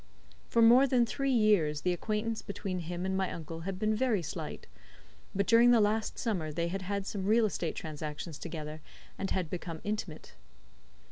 For more than three years the acquaintance between him and my uncle had been very slight, but during the last summer they had had some real estate transactions together, and had become intimate.